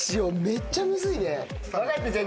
めっちゃむずいね。